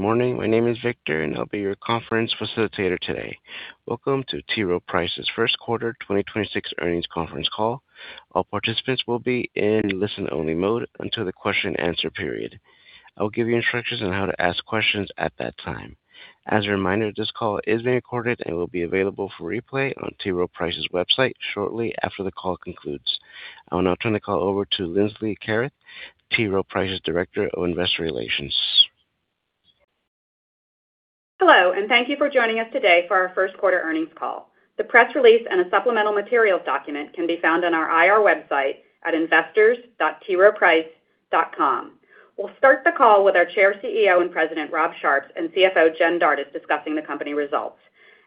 Good morning. My name is Victor, and I'll be your conference facilitator today. Welcome to T. Rowe Price's first quarter 2026 earnings conference call. All participants will be in listen-only mode until the question and answer period. I will give you instructions on how to ask questions at that time. As a reminder, this call is being recorded and will be available for replay on T. Rowe Price's website shortly after the call concludes. I will now turn the call over to Linsley Carruth, T. Rowe Price's Director of Investor Relations. Hello, and thank you for joining us today for our 1st quarter earnings call. The press release and a supplemental materials document can be found on our IR website at investors.troweprice.com. We'll start the call with our Chair, Chief Executive Officer, and President, Rob Sharps, and Chief Financial Officer, Jen Dardis, discussing the company results.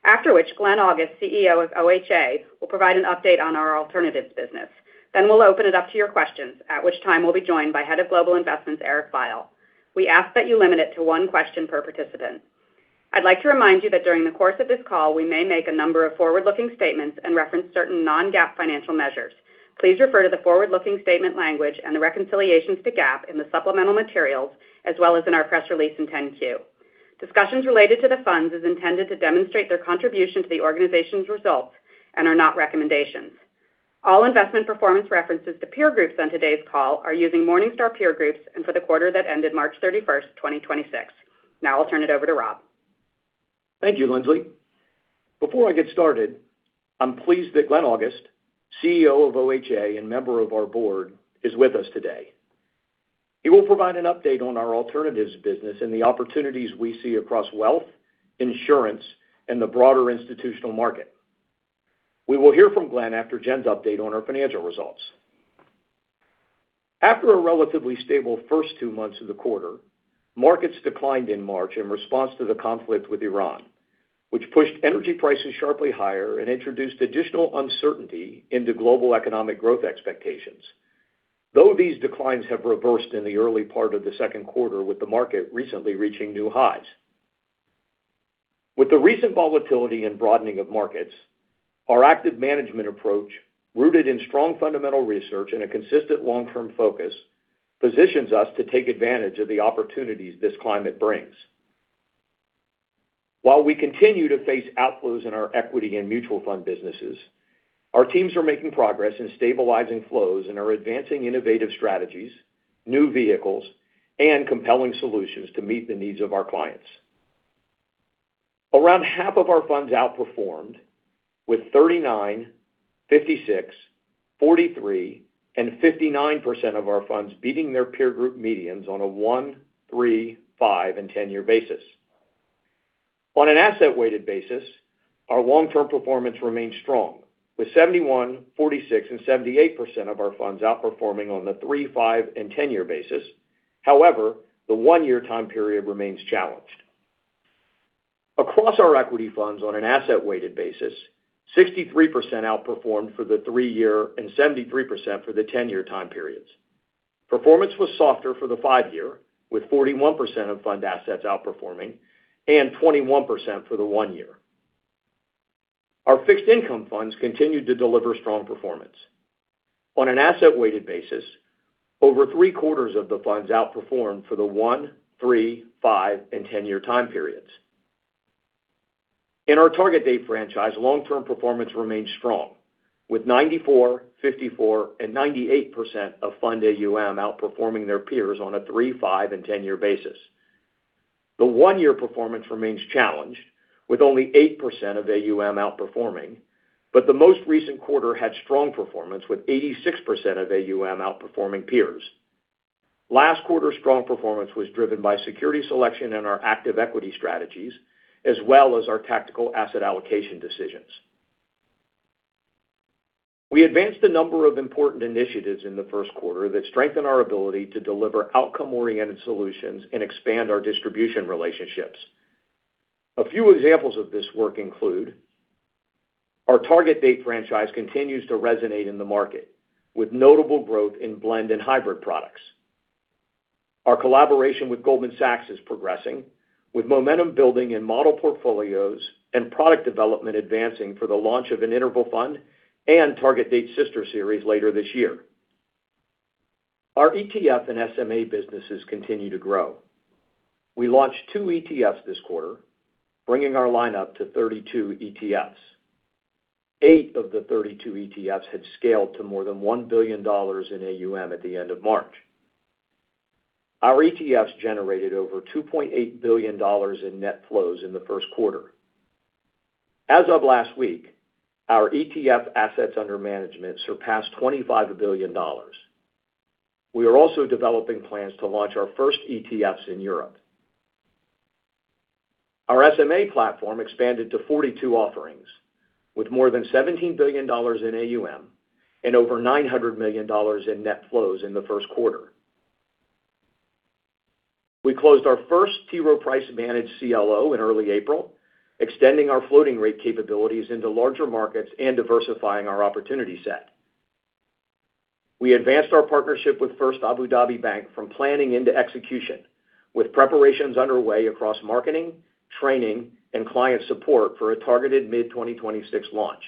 After which, Glenn August, CEO of OHA, will provide an update on our alternatives business. We'll open it up to your questions, at which time we'll be joined by Head of Global Investments, Eric Veiel. We ask that you limit it to one question per participant. I'd like to remind you that during the course of this call, we may make a number of forward-looking statements and reference certain non-GAAP financial measures. Please refer to the forward-looking statement language and the reconciliations to GAAP in the supplemental materials as well as in our press release in 10-Q. Discussions related to the funds is intended to demonstrate their contribution to the organization's results and are not recommendations. All investment performance references to peer groups on today's call are using Morningstar peer groups and for the quarter that ended March 31st, 2026. I'll turn it over to Rob. Thank you, Linsley. Before I get started, I'm pleased that Glenn August, Chief Executive Officer of OHA and member of our board, is with us today. He will provide an update on our alternatives business and the opportunities we see across wealth, insurance, and the broader institutional market. We will hear from Glenn after Jen's update on our financial results. After a relatively stable first two months of the quarter, markets declined in March in response to the conflict with Iran, which pushed energy prices sharply higher and introduced additional uncertainty into global economic growth expectations. Though these declines have reversed in the early part of the second quarter, with the market recently reaching new highs. With the recent volatility and broadening of markets, our active management approach, rooted in strong fundamental research and a consistent long-term focus, positions us to take advantage of the opportunities this climate brings. While we continue to face outflows in our equity and mutual fund businesses, our teams are making progress in stabilizing flows and are advancing innovative strategies, new vehicles, and compelling solutions to meet the needs of our clients. Around 1/2 of our funds outperformed with 39%, 56%, 43%, and 59% of our funds beating their peer group medians on a one, three, five, and 10-year basis. On an asset-weighted basis, our long-term performance remains strong, with 71%, 46%, and 78% of our funds outperforming on the three, five, and 10-year basis. However, the one-year time period remains challenged. Across our equity funds on an asset-weighted basis, 63% outperformed for the three-year and 73% for the 10-year time periods. Performance was softer for the five-year, with 41% of fund assets outperforming and 21% for the one-year. Our fixed income funds continued to deliver strong performance. On an asset-weighted basis, over three-quarters of the funds outperformed for the one, three, five, and 10-year time periods. In our target date franchise, long-term performance remains strong, with 94%, 54%, and 98% of fund AUM outperforming their peers on a three, five, and 10-year basis. The one-year performance remains challenged, with only 8% of AUM outperforming, but the most recent quarter had strong performance, with 86% of AUM outperforming peers. Last quarter's strong performance was driven by security selection in our active equity strategies as well as our tactical asset allocation decisions. We advanced a number of important initiatives in the first quarter that strengthen our ability to deliver outcome-oriented solutions and expand our distribution relationships. A few examples of this work include our target date franchise continues to resonate in the market, with notable growth in blend and hybrid products. Our collaboration with Goldman Sachs is progressing, with momentum building in model portfolios and product development advancing for the launch of an interval fund and target date sister series later this year. Our ETF and SMA businesses continue to grow. We launched two ETFs this quarter, bringing our lineup to 32 ETFs. Eight of the 32 ETFs had scaled to more than $1 billion in AUM at the end of March. Our ETFs generated over $2.8 billion in net flows in the first quarter. As of last week, our ETF Assets Under Management surpassed $25 billion. We are also developing plans to launch our first ETFs in Europe. Our SMA platform expanded to 42 offerings with more than $17 billion in AUM and over $900 million in net flows in the first quarter. We closed our first T. Rowe Price managed CLO in early April, extending our floating rate capabilities into larger markets and diversifying our opportunity set. We advanced our partnership with First Abu Dhabi Bank from planning into execution, with preparations underway across marketing, training, and client support for a targeted mid-2026 launch.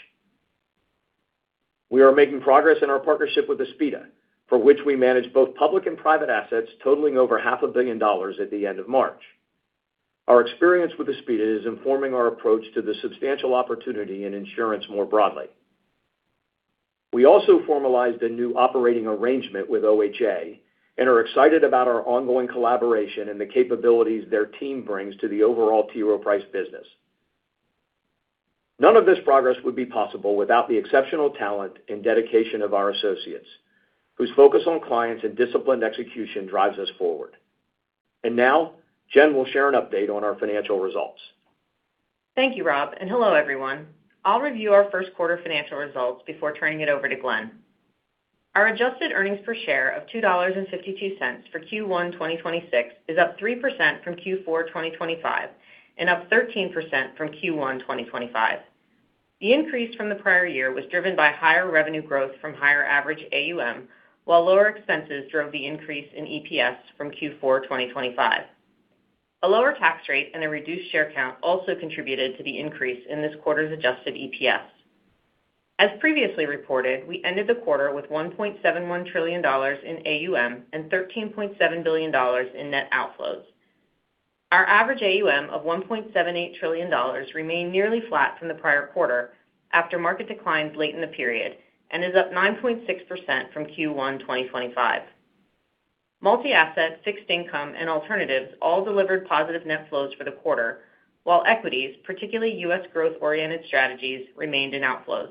We are making progress in our partnership with Aspida, for which we manage both public and private assets totaling over half a billion dollars at the end of March. Our experience with Aspida is informing our approach to the substantial opportunity in insurance more broadly. We also formalized a new operating arrangement with OHA and are excited about our ongoing collaboration and the capabilities their team brings to the overall T. Rowe Price business. None of this progress would be possible without the exceptional talent and dedication of our associates, whose focus on clients and disciplined execution drives us forward. Now, Jen will share an update on our financial results. Thank you, Rob, and hello, everyone? I'll review our first quarter financial results before turning it over to Glenn. Our adjusted earnings per share of $2.52 for Q1 2026 is up 3% from Q4 2025 and up 13% from Q1 2025. The increase from the prior year was driven by higher revenue growth from higher average AUM, while lower expenses drove the increase in EPS from Q4 2025. A lower tax rate and a reduced share count also contributed to the increase in this quarter's adjusted EPS. As previously reported, we ended the quarter with $1.71 trillion in AUM and $13.7 billion in net outflows. Our average AUM of $1.78 trillion remained nearly flat from the prior quarter after market declines late in the period and is up 9.6% from Q1 2025. Multi-asset, fixed income, and alternatives all delivered positive net flows for the quarter, while equities, particularly U.S. growth-oriented strategies, remained in outflows.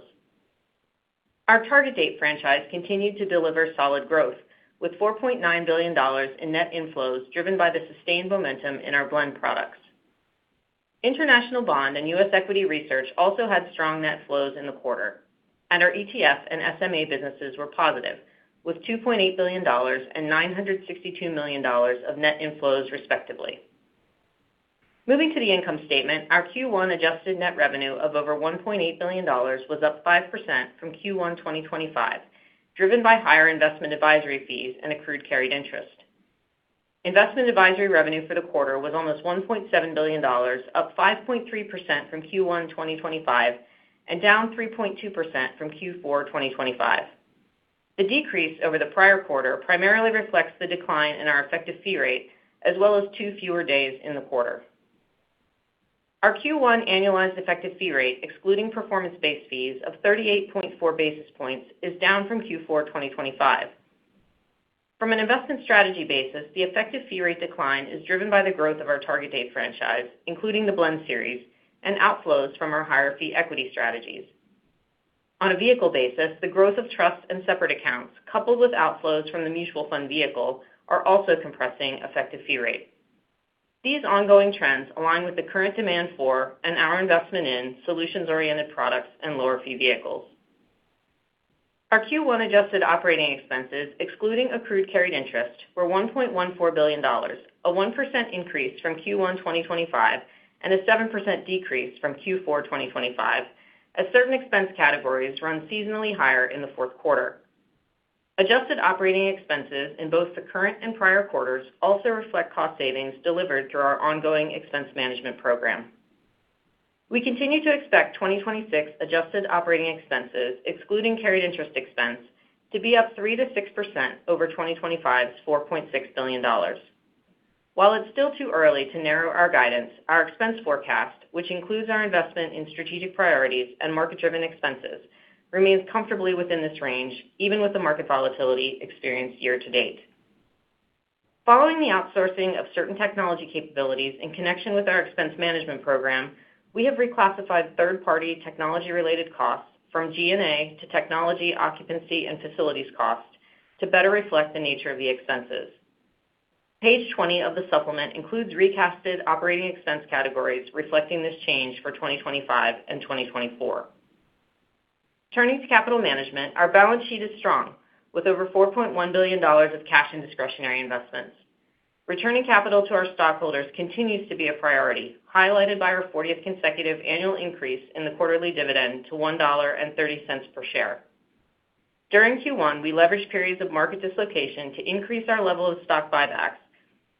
Our target date franchise continued to deliver solid growth with $4.9 billion in net inflows driven by the sustained momentum in our blend products. International bond and U.S. equity research also had strong net flows in the quarter, and our ETF and SMA businesses were positive with $2.8 billion and $962 million of net inflows, respectively. Moving to the income statement, our Q1 adjusted net revenue of over $1.8 billion was up 5% from Q1 2025, driven by higher investment advisory fees and accrued carried interest. Investment advisory revenue for the quarter was almost $1.7 billion, up 5.3% from Q1 2025 and down 3.2% from Q4 2025. The decrease over the prior quarter primarily reflects the decline in our effective fee rate, as well as two fewer days in the quarter. Our Q1 annualized effective fee rate, excluding performance-based fees of 38.4 basis points, is down from Q4 2025. From an investment strategy basis, the effective fee rate decline is driven by the growth of our target date franchise, including the blend series and outflows from our higher fee equity strategies. On a vehicle basis, the growth of trust and separate accounts, coupled with outflows from the mutual fund vehicle, are also compressing effective fee rate. These ongoing trends align with the current demand for and our investment in solutions-oriented products and lower fee vehicles. Our Q1 adjusted operating expenses, excluding accrued carried interest, were $1.14 billion, a 1% increase from Q1 2025 and a 7% decrease from Q4 2025, as certain expense categories run seasonally higher in the fourth quarter. Adjusted operating expenses in both the current and prior quarters also reflect cost savings delivered through our ongoing expense management program. We continue to expect 2026 adjusted operating expenses, excluding carried interest expense, to be up 3%-6% over 2025's $4.6 billion. While it's still too early to narrow our guidance, our expense forecast, which includes our investment in strategic priorities and market-driven expenses, remains comfortably within this range, even with the market volatility experienced year to date. Following the outsourcing of certain technology capabilities in connection with our expense management program, we have reclassified third-party technology-related costs from G&A to technology occupancy and facilities cost to better reflect the nature of the expenses. Page 20 of the supplement includes recasted operating expense categories reflecting this change for 2025 and 2024. Turning to capital management, our balance sheet is strong, with over $4.1 billion of cash and discretionary investments. Returning capital to our stockholders continues to be a priority, highlighted by our 40th consecutive annual increase in the quarterly dividend to $1.30 per share. During Q1, we leveraged periods of market dislocation to increase our level of stock buybacks,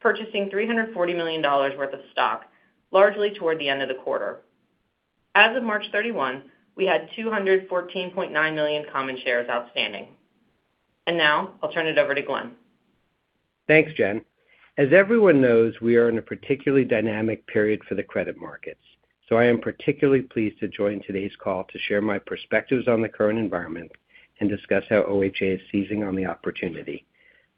purchasing $340 million worth of stock, largely toward the end of the quarter. As of March 31, we had 214.9 million common shares outstanding. Now I'll turn it over to Glenn. Thanks, Jen. As everyone knows, we are in a particularly dynamic period for the credit markets, so I am particularly pleased to join today's call to share my perspectives on the current environment and discuss how OHA is seizing on the opportunity.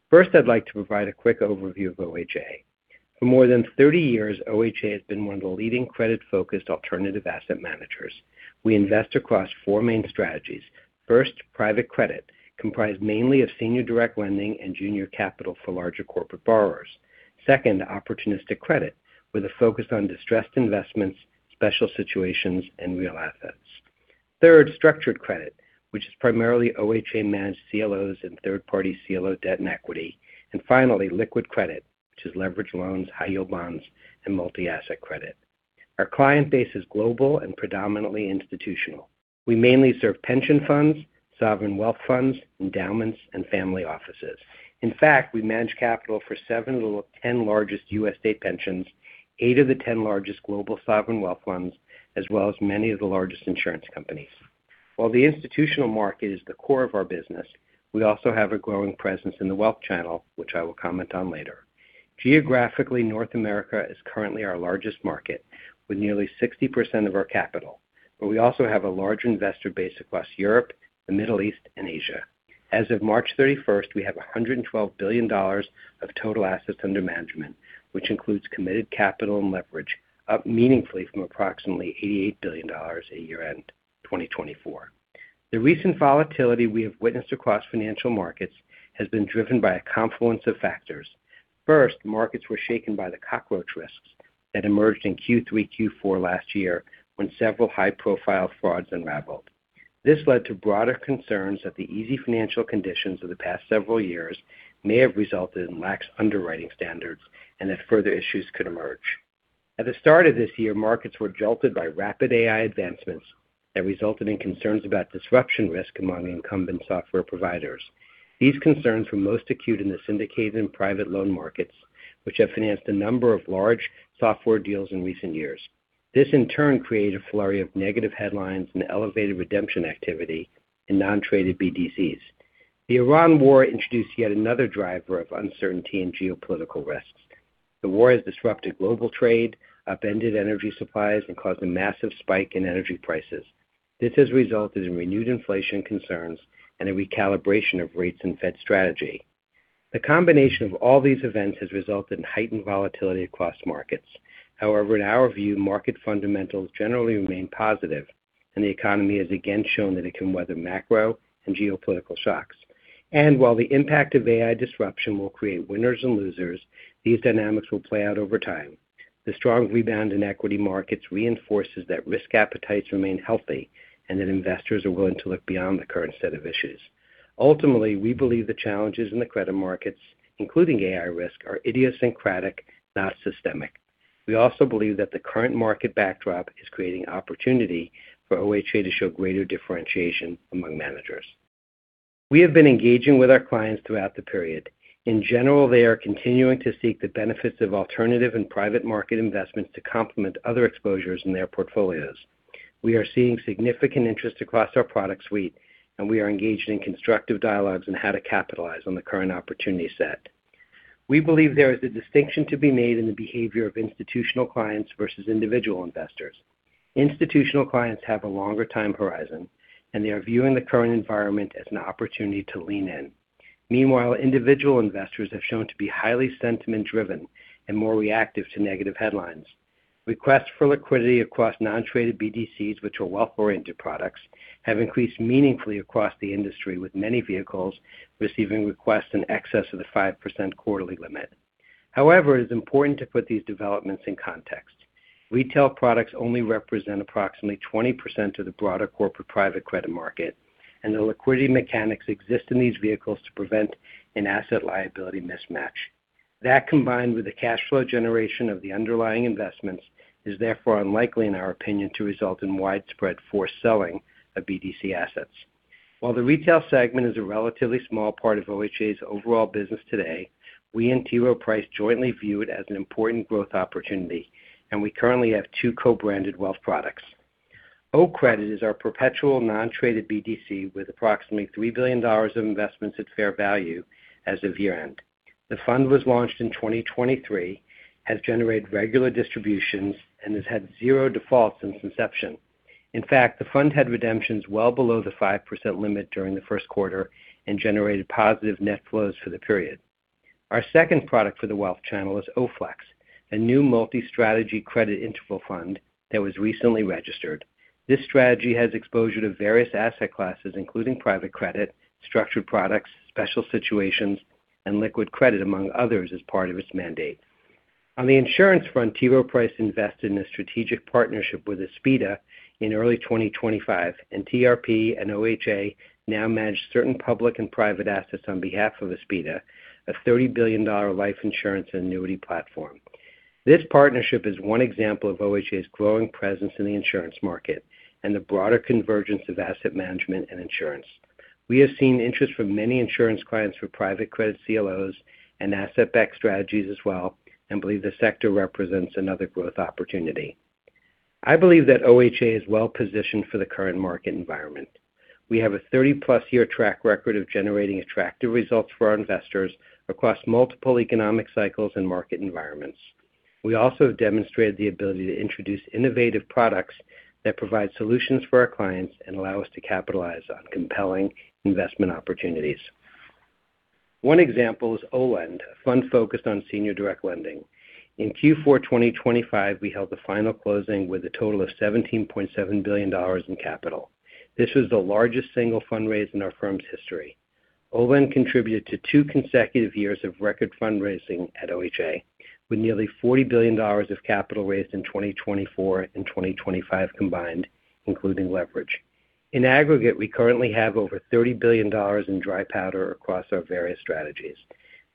First, I'd like to provide a quick overview of OHA. For more than 30 years, OHA has been one of the leading credit-focused alternative asset managers. We invest across four main strategies. First, private credit, comprised mainly of senior direct lending and junior capital for larger corporate borrowers. Second, opportunistic credit, with a focus on distressed investments, special situations, and real assets. Third, structured credit, which is primarily OHA-managed CLOs and third-party CLO debt and equity. Finally, liquid credit, which is leveraged loans, high-yield bonds, and multi-asset credit. Our client base is global and predominantly institutional. We mainly serve pension funds, sovereign wealth funds, endowments, and family offices. In fact, we manage capital for seven of the 10 largest U.S. state pensions, eight of the 10 largest global sovereign wealth funds, as well as many of the largest insurance companies. While the institutional market is the core of our business, we also have a growing presence in the wealth channel, which I will comment on later. Geographically, North America is currently our largest market with nearly 60% of our capital, but we also have a large investor base across Europe, the Middle East, and Asia. As of March 31st, we have $112 billion of total assets under management, which includes committed capital and leverage, up meaningfully from approximately $88 billion at year-end 2024. The recent volatility we have witnessed across financial markets has been driven by a confluence of factors. First, markets were shaken by the cockroach risks that emerged in Q3, Q4 last year when several high-profile frauds unraveled. This led to broader concerns that the easy financial conditions of the past several years may have resulted in lax underwriting standards and that further issues could emerge. At the start of this year, markets were jolted by rapid AI advancements that resulted in concerns about disruption risk among the incumbent software providers. These concerns were most acute in the syndicated and private loan markets, which have financed a number of large software deals in recent years. This, in turn, created a flurry of negative headlines and elevated redemption activity in non-traded BDCs. The Iran War introduced yet another driver of uncertainty and geopolitical risks. The war has disrupted global trade, upended energy supplies, and caused a massive spike in energy prices. This has resulted in renewed inflation concerns and a recalibration of rates and Fed strategy. The combination of all these events has resulted in heightened volatility across markets. In our view, market fundamentals generally remain positive, and the economy has again shown that it can weather macro and geopolitical shocks. While the impact of AI disruption will create winners and losers, these dynamics will play out over time. The strong rebound in equity markets reinforces that risk appetites remain healthy and that investors are willing to look beyond the current set of issues. Ultimately, we believe the challenges in the credit markets, including AI risk, are idiosyncratic, not systemic. We also believe that the current market backdrop is creating opportunity for OHA to show greater differentiation among managers. We have been engaging with our clients throughout the period. In general, they are continuing to seek the benefits of alternative and private market investments to complement other exposures in their portfolios. We are seeing significant interest across our product suite, and we are engaged in constructive dialogues on how to capitalize on the current opportunity set. We believe there is a distinction to be made in the behavior of institutional clients versus individual investors. Institutional clients have a longer time horizon, and they are viewing the current environment as an opportunity to lean in. Meanwhile, individual investors have shown to be highly sentiment-driven and more reactive to negative headlines. Requests for liquidity across non-traded BDCs, which are wealth-oriented products, have increased meaningfully across the industry, with many vehicles receiving requests in excess of the 5% quarterly limit. However, it is important to put these developments in context. Retail products only represent approximately 20% of the broader corporate private credit market, and the liquidity mechanics exist in these vehicles to prevent an asset liability mismatch. That, combined with the cash flow generation of the underlying investments, is therefore unlikely, in our opinion, to result in widespread forced selling of BDC assets. While the retail segment is a relatively small part of OHA's overall business today, we and T. Rowe Price jointly view it as an important growth opportunity, and we currently have two co-branded wealth products. OCREDIT is our perpetual non-traded BDC with approximately $3 billion of investments at fair value as of year-end. The fund was launched in 2023, has generated regular distributions, and has had zero defaults since inception. In fact, the fund had redemptions well below the 5% limit during the first quarter and generated positive net flows for the period. Our second product for the wealth channel is OFLEX, a new multi-strategy credit interval fund that was recently registered. This strategy has exposure to various asset classes, including private credit, structured products, special situations, and liquid credit, among others, as part of its mandate. On the insurance front, T. Rowe Price invested in a strategic partnership with Aspida in early 2025, and TRP and OHA now manage certain public and private assets on behalf of Aspida, a $30 billion life insurance and annuity platform. This partnership is one example of OHA's growing presence in the insurance market and the broader convergence of asset management and insurance. We have seen interest from many insurance clients for private credit CLOs and asset-backed strategies as well and believe the sector represents another growth opportunity. I believe that OHA is well-positioned for the current market environment. We have a 30-plus year track record of generating attractive results for our investors across multiple economic cycles and market environments. We also have demonstrated the ability to introduce innovative products that provide solutions for our clients and allow us to capitalize on compelling investment opportunities. One example is OLEND, a fund focused on senior direct lending. In Q4 2025, we held the final closing with a total of $17.7 billion in capital. This was the largest single fundraise in our firm's history. OLEND contributed to two consecutive years of record fundraising at OHA, with nearly $40 billion of capital raised in 2024 and 2025 combined, including leverage. In aggregate, we currently have over $30 billion in dry powder across our various strategies.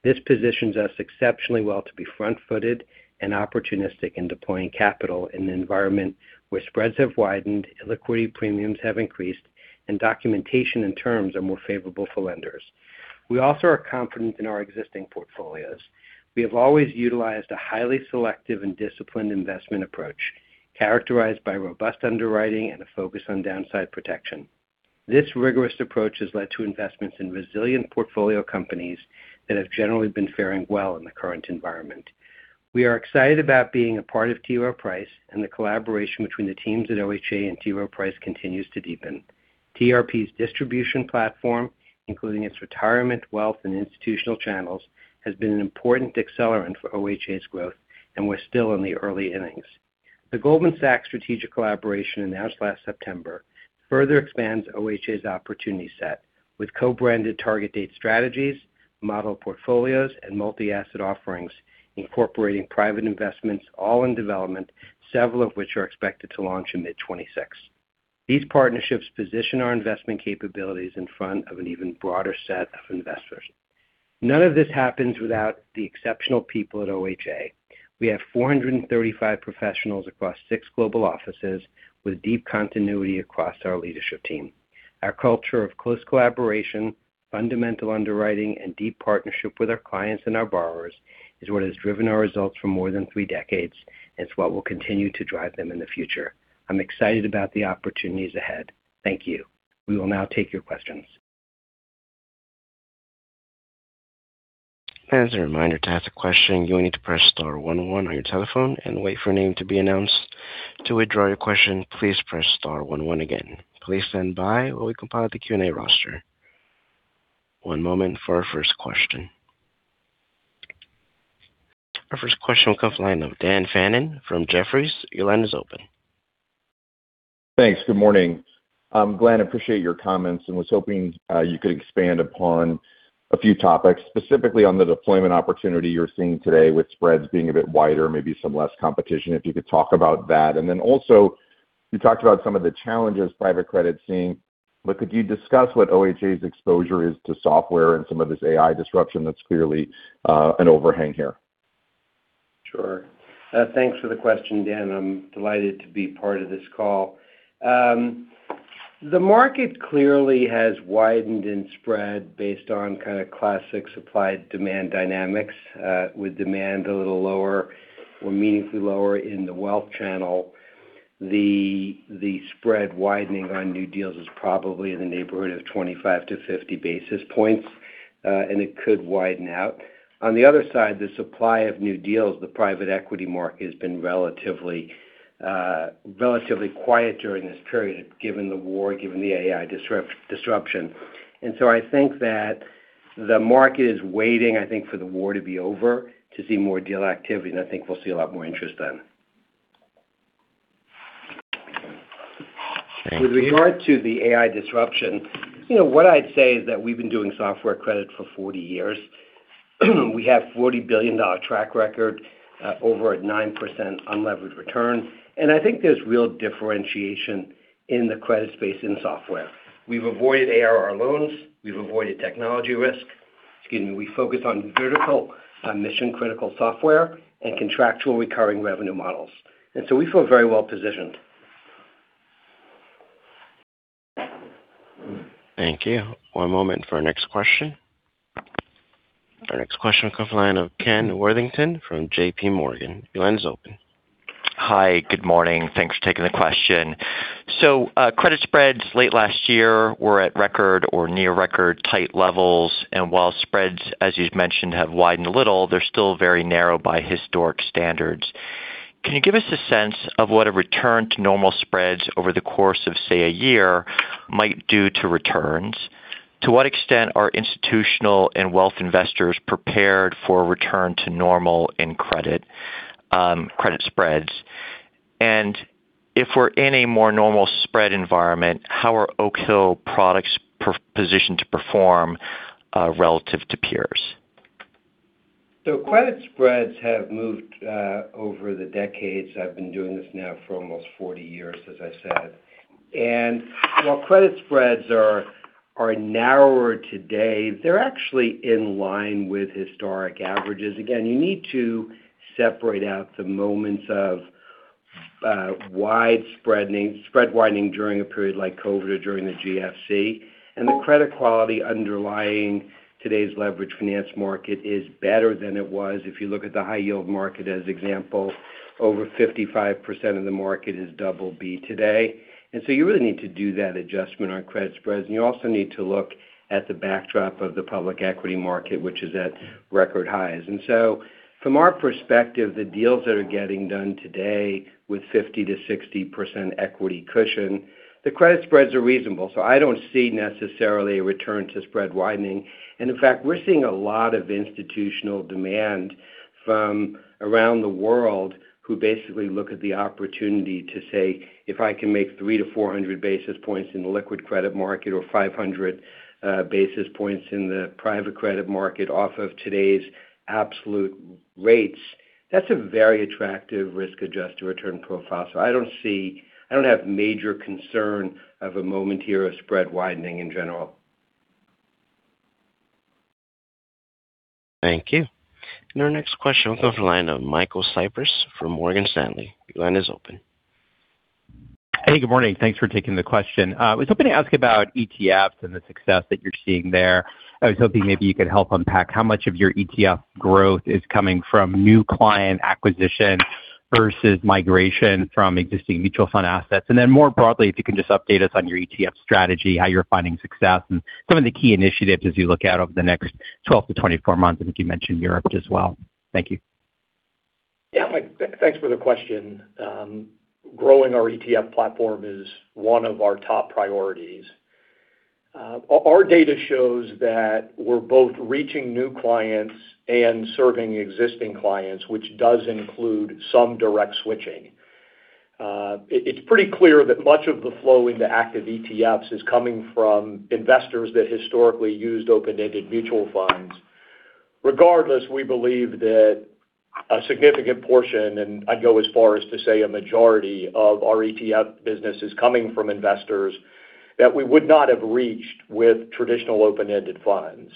This positions us exceptionally well to be front-footed and opportunistic in deploying capital in an environment where spreads have widened, liquidity premiums have increased, and documentation and terms are more favorable for lenders. We also are confident in our existing portfolios. We have always utilized a highly selective and disciplined investment approach, characterized by robust underwriting and a focus on downside protection. This rigorous approach has led to investments in resilient portfolio companies that have generally been faring well in the current environment. We are excited about being a part of T. Rowe Price, and the collaboration between the teams at OHA and T. Rowe Price continues to deepen. T. Rowe Price's distribution platform, including its retirement, wealth, and institutional channels, has been an important accelerant for OHA's growth, and we're still in the early innings. The Goldman Sachs strategic collaboration announced last September further expands OHA's opportunity set with co-branded target date strategies, model portfolios, and multi-asset offerings incorporating private investments all in development, several of which are expected to launch in mid 2026. These partnerships position our investment capabilities in front of an even broader set of investors. None of this happens without the exceptional people at OHA. We have 435 professionals across six global offices with deep continuity across our leadership team. Our culture of close collaboration, fundamental underwriting, and deep partnership with our clients and our borrowers is what has driven our results for more than three decades, and it's what will continue to drive them in the future. I'm excited about the opportunities ahead. Thank you. We will now take your questions. As a reminder, to ask a question, you will need to press star one one on your telephone and wait for your name to be announced. To withdraw your question, please press star one one again. Please stand by while we compile the Q&A roster. One moment for our first question. Our first question will come from the line of Daniel Fannon from Jefferies, your line is open. Thanks. Good morning. Glenn, appreciate your comments and was hoping you could expand upon a few topics, specifically on the deployment opportunity you're seeing today with spreads being a bit wider, maybe some less competition. If you could talk about that. You talked about some of the challenges private credit's seeing, but could you discuss what OHA's exposure is to software and some of this AI disruption that's clearly an overhang here? Sure. Thanks for the question, Daniel Fannon. I'm delighted to be part of this call. The market clearly has widened and spread based on kinda classic supply-demand dynamics. With demand a little lower or meaningfully lower in the wealth channel, the spread widening on new deals is probably in the neighborhood of 25 basis points-50 basis points, and it could widen out. On the other side, the supply of new deals, the private equity market has been relatively quiet during this period, given the war, given the AI disruption. I think that the market is waiting, I think, for the war to be over to see more deal activity, and I think we'll see a lot more interest then. Thank you. With regard to the AI disruption, you know, what I'd say is that we've been doing software credit for 40 years. We have a $40 billion track record, over a 9% unlevered return. I think there's real differentiation in the credit space in software. We've avoided ARR loans. We've avoided technology risk. Excuse me. We focus on vertical and mission-critical software and contractual recurring revenue models. We feel very well positioned. Thank you. One moment for our next question. Our next question will come from the line of Kenneth Worthington from JPMorgan, your line is open. Hi. Good morning. Thanks for taking the question. Credit spreads late last year were at record or near record tight levels. While spreads, as you've mentioned, have widened a little, they're still very narrow by historic standards. Can you give us a sense of what a return to normal spreads over the course of, say, a year might do to returns? To what extent are institutional and wealth investors prepared for a return to normal in credit spreads? If we're in a more normal spread environment, how are Oak Hill products positioned to perform relative to peers? Credit spreads have moved over the decades. I've been doing this now for almost 40 years, as I said. While credit spreads are narrower today, they're actually in line with historic averages. Again, you need to separate out the moments of spread widening during a period like COVID or during the GFC. The credit quality underlying today's leverage finance market is better than it was. If you look at the high yield market as example, over 55% of the market is Double B today. You really need to do that adjustment on credit spreads, you also need to look at the backdrop of the public equity market, which is at record highs. From our perspective, the deals that are getting done today with 50%-60% equity cushion, the credit spreads are reasonable. I don't see necessarily a return to spread widening. In fact, we're seeing a lot of institutional demand from around the world who basically look at the opportunity to say, "If I can make 300 basis points-400 basis points in the liquid credit market or 500 basis points in the private credit market off of today's absolute rates," that's a very attractive risk-adjusted return profile. I don't have major concern of a moment here of spread widening in general. Thank you. Our next question will come from the line of Michael Cyprys from Morgan Stanley, your line is open. Hey, good morning. Thanks for taking the question. Was hoping to ask about ETFs and the success that you're seeing there. I was hoping maybe you could help unpack how much of your ETF growth is coming from new client acquisition versus migration from existing mutual fund assets. More broadly, if you can just update us on your ETF strategy, how you're finding success, and some of the key initiatives as you look out over the next 12 months-24 months. I think you mentioned Europe as well. Thank you. Thanks for the question. Growing our ETF platform is one of our top priorities. Our data shows that we're both reaching new clients and serving existing clients, which does include some direct switching. It's pretty clear that much of the flow into active ETFs is coming from investors that historically used open-ended mutual funds. Regardless, we believe that a significant portion, and I'd go as far as to say a majority of our ETF business is coming from investors that we would not have reached with traditional open-ended funds.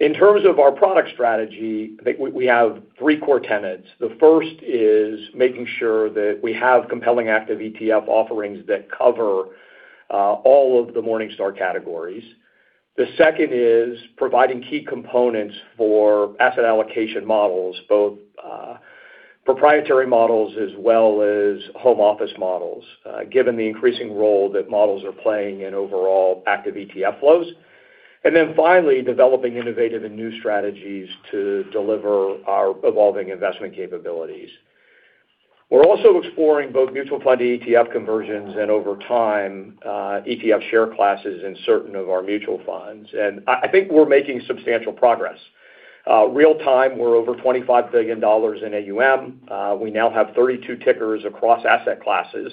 In terms of our product strategy, I think we have three core tenets. The first is making sure that we have compelling active ETF offerings that cover all of the Morningstar categories. The second is providing key components for asset allocation models, both proprietary models as well as home office models, given the increasing role that models are playing in overall active ETF flows. Finally, developing innovative and new strategies to deliver our evolving investment capabilities. We're also exploring both mutual fund to ETF conversions, and over time, ETF share classes in certain of our mutual funds. I think we're making substantial progress. Real-time, we're over $25 billion in AUM. We now have 32 tickers across asset classes,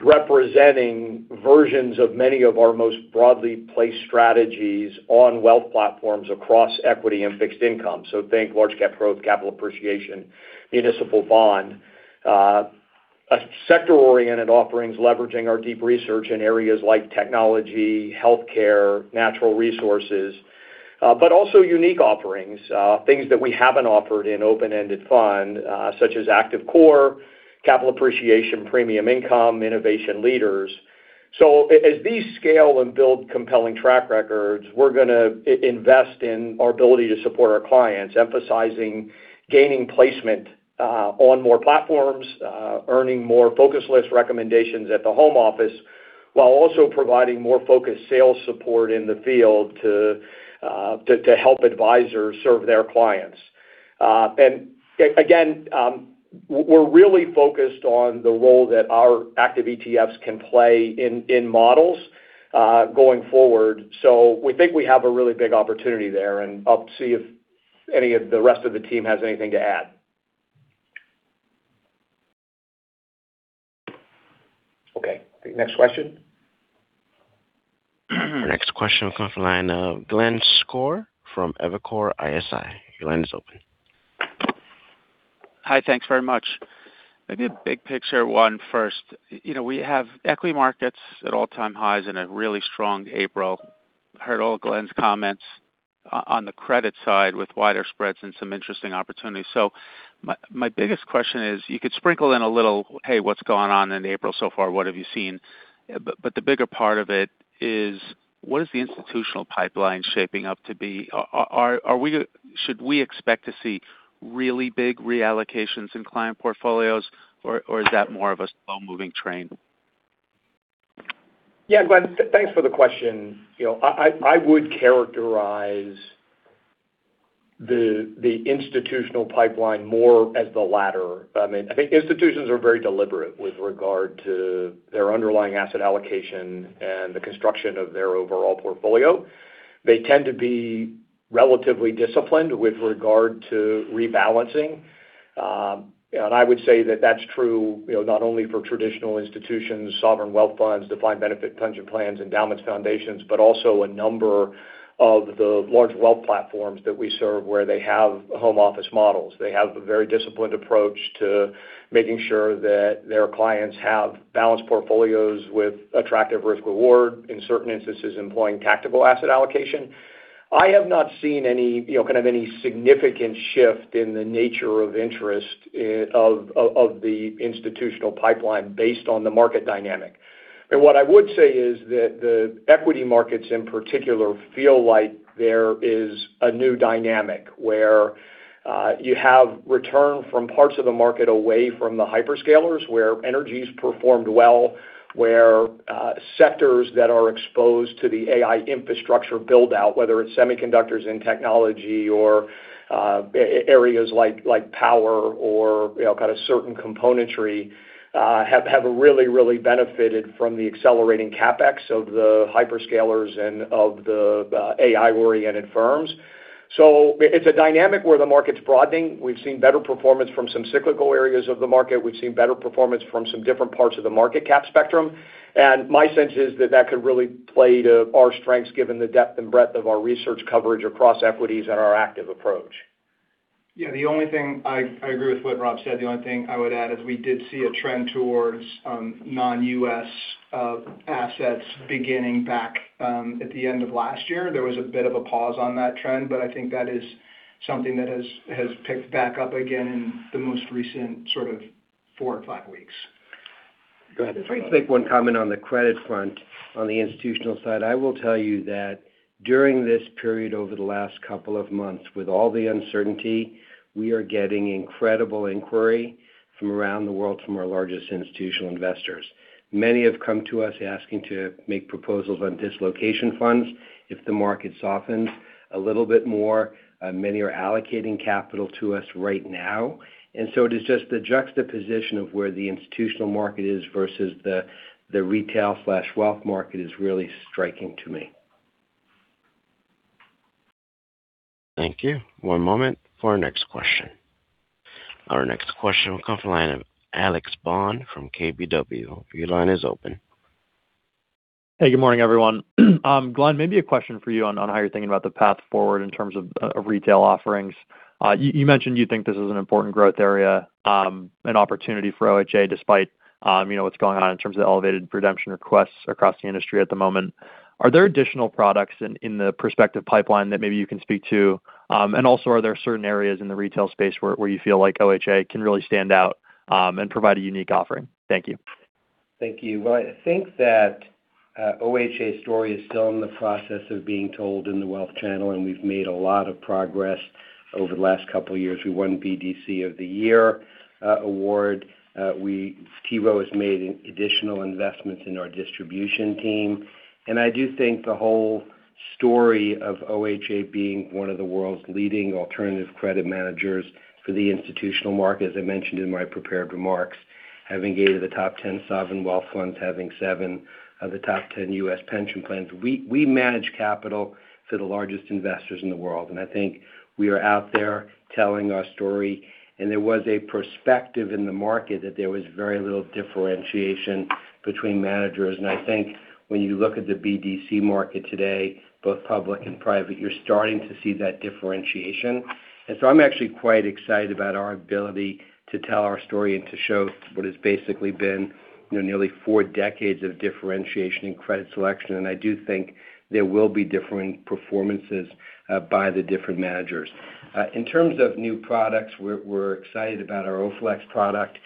representing versions of many of our most broadly placed strategies on wealth platforms across equity and fixed income. Think large cap growth, capital appreciation, municipal bond, sector-oriented offerings leveraging our deep research in areas like technology, healthcare, natural resources. Also unique offerings, things that we haven't offered in open-ended fund, such as active core, capital appreciation, premium income, innovation leaders. As these scale and build compelling track records, we're gonna invest in our ability to support our clients, emphasizing gaining placement on more platforms, earning more focus list recommendations at the home office, while also providing more focused sales support in the field to help advisors serve their clients. Again, we're really focused on the role that our active ETFs can play in models going forward. We think we have a really big opportunity there, and I'll see if any of the rest of the team has anything to add. Okay. Next question. Next question will come from the line of Glenn Schorr from Evercore ISI. Your line is open. Hi. Thanks very much. Maybe a big picture one first. You know, we have equity markets at all-time highs and a really strong April. Heard all Glenn's comments on the credit side with wider spreads and some interesting opportunities. My biggest question is, you could sprinkle in a little, hey, what's gone on in April so far? What have you seen? The bigger part of it is, what is the institutional pipeline shaping up to be? Should we expect to see really big reallocations in client portfolios, or is that more of a slow-moving train? Yeah, Glenn, thanks for the question. You know, I would characterize the institutional pipeline more as the latter. I mean, I think institutions are very deliberate with regard to their underlying asset allocation and the construction of their overall portfolio. They tend to be relatively disciplined with regard to rebalancing. I would say that that's true, you know, not only for traditional institutions, sovereign wealth funds, defined benefit pension plans, endowments, foundations, but also a number of the large wealth platforms that we serve where they have home office models. They have a very disciplined approach to making sure that their clients have balanced portfolios with attractive risk reward, in certain instances, employing tactical asset allocation. I have not seen any, you know, kind of any significant shift in the nature of interest of the institutional pipeline based on the market dynamic. What I would say is that the equity markets in particular feel like there is a new dynamic where you have return from parts of the market away from the hyper-scalers, where energy's performed well, where sectors that are exposed to the AI infrastructure build-out, whether it's semiconductors in technology or areas like power or, you know, kind of certain componentry, have really benefited from the accelerating CapEx of the hyper-scalers and of the AI-oriented firms. It's a dynamic where the market's broadening. We've seen better performance from some cyclical areas of the market. We've seen better performance from some different parts of the market cap spectrum. My sense is that that could really play to our strengths given the depth and breadth of our research coverage across equities and our active approach. Yeah. The only thing I agree with what Rob said. The only thing I would add is we did see a trend towards non-U.S. assets beginning back at the end of last year. There was a bit of a pause on that trend, but I think that is something that has picked back up again in the most recent sort of four or five weeks. Go ahead. If I could make one comment on the credit front on the institutional side. I will tell you that during this period over the last couple of months, with all the uncertainty, we are getting incredible inquiry from around the world from our largest institutional investors. Many have come to us asking to make proposals on dislocation funds if the market softens a little bit more. Many are allocating capital to us right now. It is just the juxtaposition of where the institutional market is versus the retail/wealth market is really striking to me. Thank you. One moment for our next question. Our next question will come from the line of Alex Bond from KBW, your line is open. Hey, good morning, everyone? Glenn, maybe a question for you on how you're thinking about the path forward in terms of retail offerings. You mentioned you think this is an important growth area, an opportunity for OHA despite, you know, what's going on in terms of elevated redemption requests across the industry at the moment. Are there additional products in the prospective pipeline that maybe you can speak to? Also, are there certain areas in the retail space where you feel like OHA can really stand out, and provide a unique offering? Thank you. Thank you. Well, I think that OHA's story is still in the process of being told in the wealth channel, and we've made a lot of progress over the last couple of years. We won BDC of the Year award. T. Rowe has made additional investments in our distribution team. I do think the whole story of OHA being one of the world's leading alternative credit managers for the institutional market, as I mentioned in my prepared remarks, having eight of the top 10 sovereign wealth funds, having seven of the top 10 U.S. pension plans, we manage capital for the largest investors in the world, and I think we are out there telling our story. There was a perspective in the market that there was very little differentiation between managers. I think when you look at the BDC market today, both public and private, you're starting to see that differentiation. I'm actually quite excited about our ability to tell our story and to show what has basically been, you know, nearly four decades of differentiation in credit selection. I do think there will be differing performances by the different managers. In terms of new products, we're excited about our OFLEX product,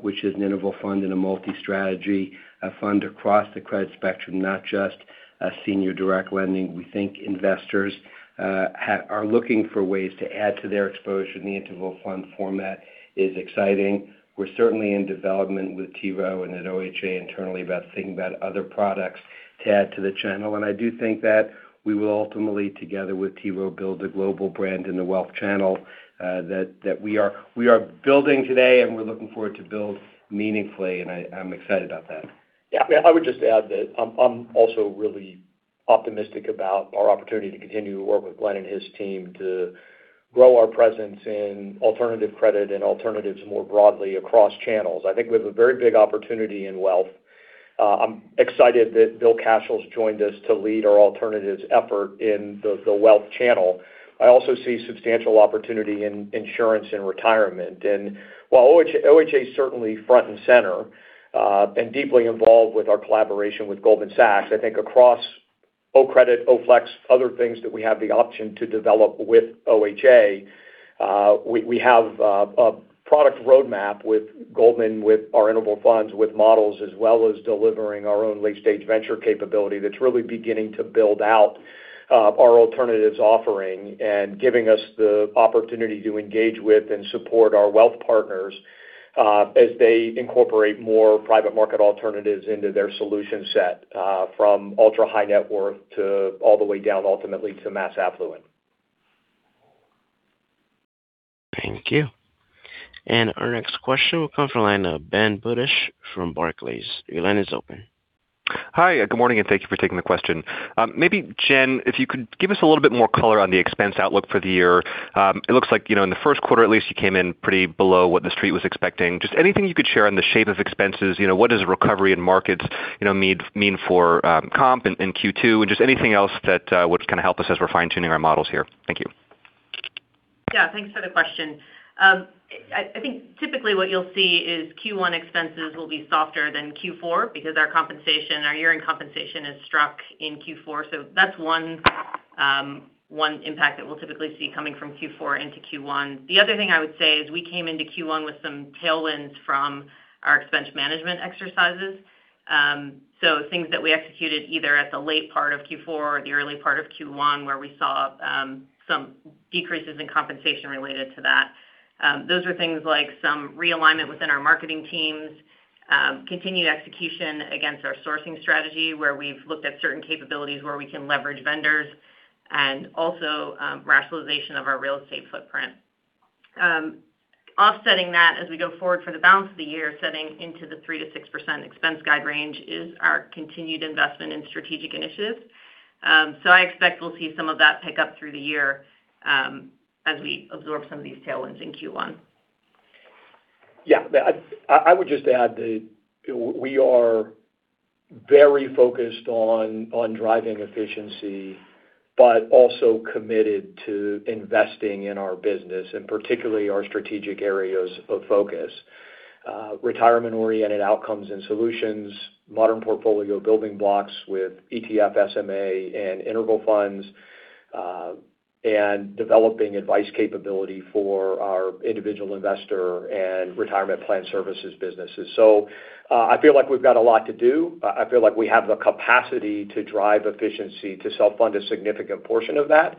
which is an interval fund and a multi-strategy fund across the credit spectrum, not just a senior direct lending. We think investors are looking for ways to add to their exposure, and the interval fund format is exciting. We're certainly in development with T. Rowe and at OHA internally about thinking about other products to add to the channel. I do think that we will ultimately, together with T. Rowe, build a global brand in the wealth channel, that we are building today and we're looking forward to build meaningfully, and I'm excited about that. Yeah, I would just add that I'm also really optimistic about our opportunity to continue to work with Glenn and his team to grow our presence in alternative credit and alternatives more broadly across channels. I think we have a very big opportunity in wealth. I'm excited that Bill Cashel's joined us to lead our alternatives effort in the wealth channel. I also see substantial opportunity in insurance and retirement. While OHA is certainly front and center, and deeply involved with our collaboration with Goldman Sachs, I think across OCREDIT, OFLEX, other things that we have the option to develop with OHA, we have a product roadmap with Goldman, with our interval funds, with models, as well as delivering our own late-stage venture capability that's really beginning to build out our alternatives offering and giving us the opportunity to engage with and support our wealth partners, as they incorporate more private market alternatives into their solution set, from ultra-high net worth to all the way down ultimately to mass affluent. Thank you. Our next question will come from the line of Ben Budish from Barclays, your line is open. Hi, good morning, and thank you for taking the question. Maybe Jen, if you could give us a little bit more color on the expense outlook for the year. It looks like, you know, in the first quarter at least, you came in pretty below what the street was expecting. Just anything you could share on the shape of expenses. You know, what does a recovery in markets, you know, mean for comp in Q2? Just anything else that would kind of help us as we're fine-tuning our models here. Thank you. Yeah. Thanks for the question. I think typically what you'll see is Q1 expenses will be softer than Q4 because our compensation, our year-end compensation is struck in Q4. That's one impact that we'll typically see coming from Q4 into Q1. The other thing I would say is we came into Q1 with some tailwinds from our expense management exercises. Things that we executed either at the late part of Q4 or the early part of Q1, where we saw some decreases in compensation related to that. Those were things like some realignment within our marketing teams, continued execution against our sourcing strategy, where we've looked at certain capabilities where we can leverage vendors, and also rationalization of our real estate footprint. Offsetting that as we go forward for the balance of the year, setting into the 3%-6% expense guide range is our continued investment in strategic initiatives. I expect we'll see some of that pick up through the year, as we absorb some of these tailwinds in Q1. Yeah. I would just add that we are very focused on driving efficiency, also committed to investing in our business and particularly our strategic areas of focus: retirement-oriented outcomes and solutions, modern portfolio building blocks with ETF, SMA, and interval funds. Developing advice capability for our individual investor and retirement plan services businesses. I feel like we've got a lot to do. I feel like we have the capacity to drive efficiency to self-fund a significant portion of that.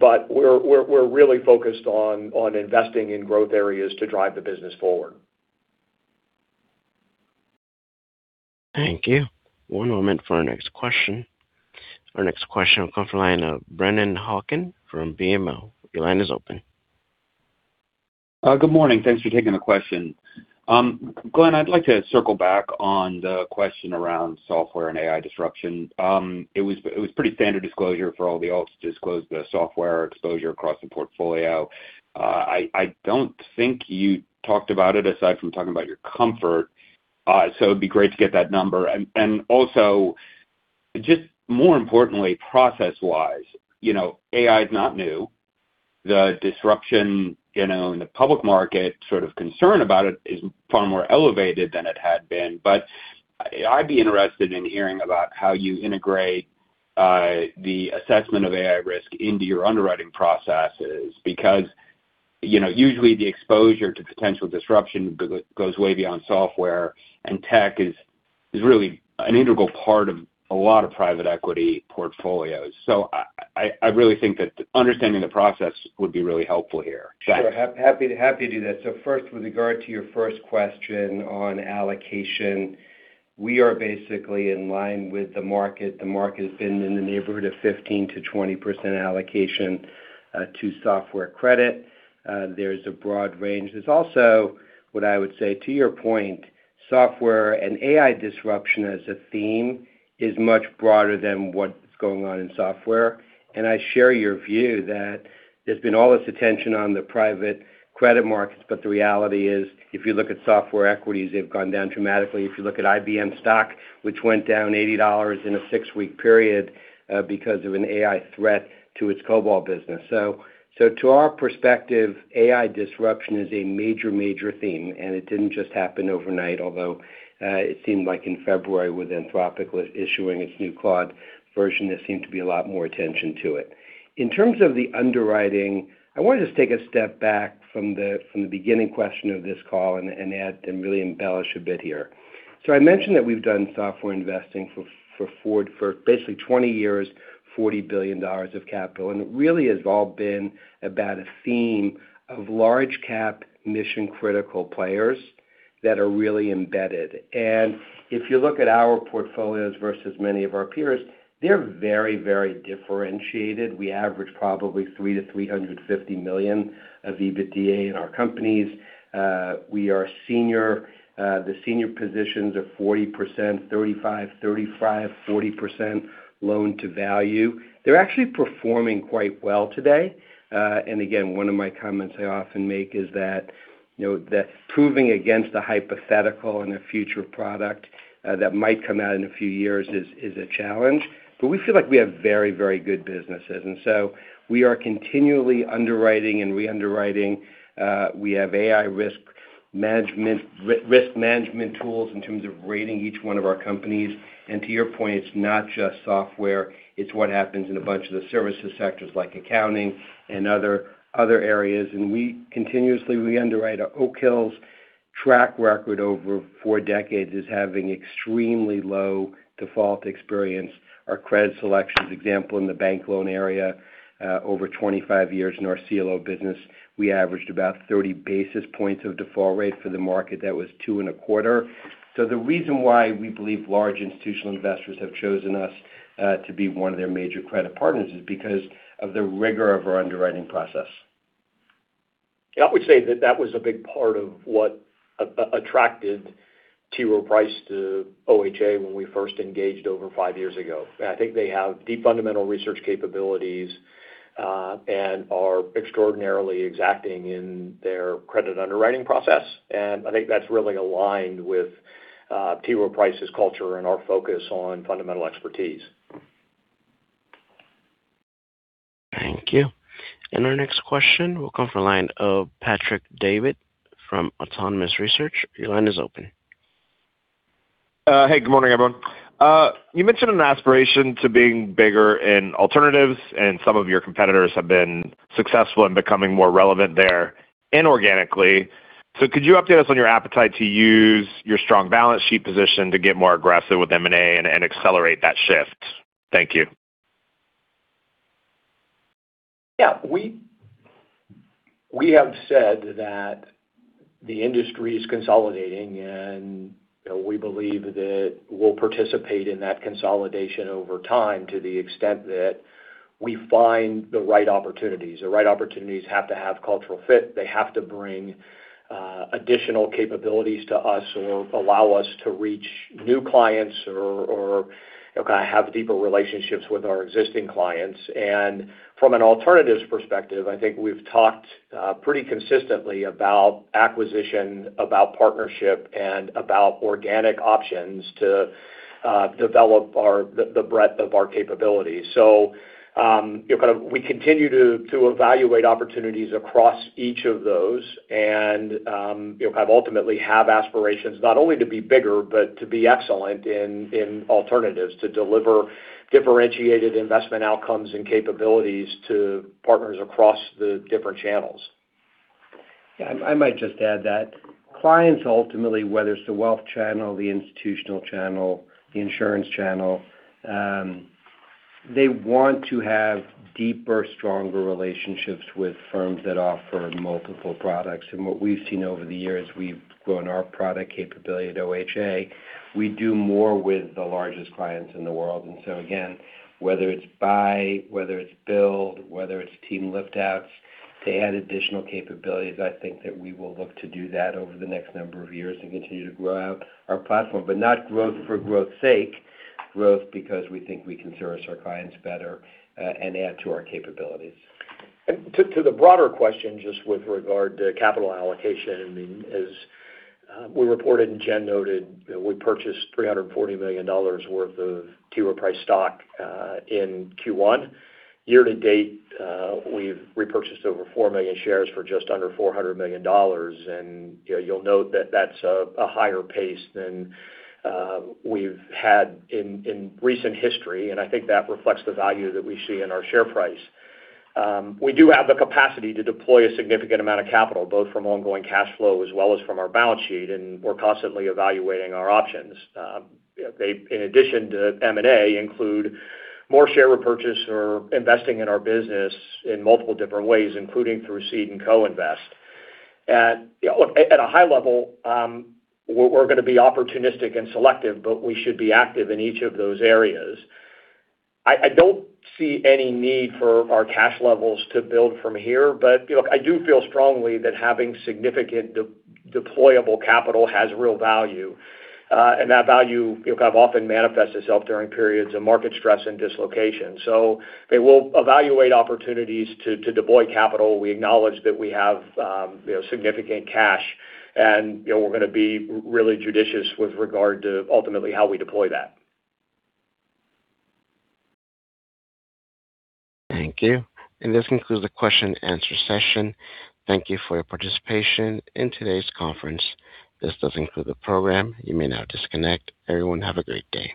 We're really focused on investing in growth areas to drive the business forward Thank you. One moment for our next question. Our next question will come from the line of Brennan Hawken from BMO. Your line is open. Good morning? Thanks for taking the question. Glenn, I'd like to circle back on the question around software and AI disruption. It was pretty standard disclosure for all the alts to disclose the software exposure across the portfolio. I don't think you talked about it aside from talking about your comfort. It'd be great to get that number. Also, just more importantly, process-wise, you know, AI is not new. The disruption, you know, in the public market sort of concern about it is far more elevated than it had been. I'd be interested in hearing about how you integrate the assessment of AI risk into your underwriting processes. Because, you know, usually the exposure to potential disruption goes way beyond software, and tech is really an integral part of a lot of private equity portfolios. I really think that understanding the process would be really helpful here. Sure. Happy to do that. First, with regard to your first question on allocation, we are basically in line with the market. The market has been in the neighborhood of 15%-20% allocation to software credit. There's a broad range. There's also what I would say, to your point, software and AI disruption as a theme is much broader than what's going on in software. I share your view that there's been all this attention on the private credit markets, but the reality is, if you look at software equities, they've gone down dramatically. If you look at IBM stock, which went down $80 in a six-week period because of an AI threat to its COBOL business. To our perspective, AI disruption is a major theme, and it didn't just happen overnight, although it seemed like in February with Anthropic issuing its new Claude version, there seemed to be a lot more attention to it. In terms of the underwriting, I want to just take a step back from the beginning question of this call and add and really embellish a bit here. I mentioned that we've done software investing for basically 20 years, $40 billion of capital. It really has all been about a theme of large cap mission critical players that are really embedded. If you look at our portfolios versus many of our peers, they're very, very differentiated. We average probably $3 million-$350 million of EBITDA in our companies. We are senior. The senior positions are 40%, 35, 40% loan to value. They're actually performing quite well today. Again, one of my comments I often make is that, you know, that proving against a hypothetical and a future product that might come out in a few years is a challenge. We feel like we have very, very good businesses. We are continually underwriting and re-underwriting. We have AI risk management, risk management tools in terms of rating each one of our companies. To your point, it's not just software, it's what happens in a bunch of the services sectors like accounting and other areas. We continuously re-underwrite. Oak Hill's track record over four decades as having extremely low default experience. Our credit selections example in the bank loan area, over 25 years in our CLO business, we averaged about 30 basis points of default rate for the market that was two and a quarter. The reason why we believe large institutional investors have chosen us to be one of their major credit partners is because of the rigor of our underwriting process. I would say that that was a big part of what attracted T. Rowe Price to OHA when we first engaged over five years ago. I think they have deep fundamental research capabilities and are extraordinarily exacting in their credit underwriting process. I think that's really aligned with T. Rowe Price's culture and our focus on fundamental expertise. Thank you. Our next question will come from line of Patrick Davitt from Autonomous Research, your line is open. Hey, good morning, everyone? You mentioned an aspiration to being bigger in alternatives, and some of your competitors have been successful in becoming more relevant there inorganically. Could you update us on your appetite to use your strong balance sheet position to get more aggressive with M&A and accelerate that shift? Thank you. Yeah. We have said that the industry is consolidating. We believe that we'll participate in that consolidation over time to the extent that we find the right opportunities. The right opportunities have to have cultural fit. They have to bring additional capabilities to us or allow us to reach new clients or kind of have deeper relationships with our existing clients. From an alternatives perspective, I think we've talked pretty consistently about acquisition, about partnership, and about organic options to develop the breadth of our capabilities. You know, kind of we continue to evaluate opportunities across each of those and, you know, have ultimately have aspirations not only to be bigger, but to be excellent in alternatives to deliver differentiated investment outcomes and capabilities to partners across the different channels. I might just add that clients ultimately, whether it's the wealth channel, the institutional channel, the insurance channel, they want to have deeper, stronger relationships with firms that offer multiple products. What we've seen over the years, we've grown our product capability at OHA. We do more with the largest clients in the world. Again, whether it's buy, whether it's build, whether it's team lift outs to add additional capabilities, I think that we will look to do that over the next number of years and continue to grow out our platform. Not growth for growth's sake, growth because we think we can service our clients better and add to our capabilities. To, to the broader question, just with regard to capital allocation, I mean, as we reported and Jen noted, we purchased $340 million worth of T. Rowe Price stock in Q1. Year-to-date, we've repurchased over four million shares for just under $400 million. You know, you'll note that that's a higher pace than we've had in recent history, and I think that reflects the value that we see in our share price. We do have the capacity to deploy a significant amount of capital, both from ongoing cash flow as well as from our balance sheet, and we're constantly evaluating our options. In addition to M&A, include more share repurchase or investing in our business in multiple different ways, including through Seed and Co-Invest. At, you know, look, at a high level, we're gonna be opportunistic and selective, but we should be active in each of those areas. I don't see any need for our cash levels to build from here. You know, I do feel strongly that having significant deployable capital has real value. That value, you know, kind of often manifests itself during periods of market stress and dislocation. We will evaluate opportunities to deploy capital. We acknowledge that we have, you know, significant cash, you know, we're gonna be really judicious with regard to ultimately how we deploy that. Thank you. This concludes the question and answer session. Thank you for your participation in today's conference. This does conclude the program, you may now disconnect. Everyone, have a great day.